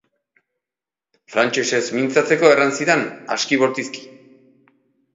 Frantsesez mintzatzeko erran zidan, aski bortizki.